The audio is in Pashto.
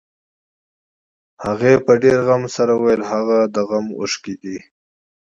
هغې په ډېر غم سره وويل هغه د غم اوښکې دي.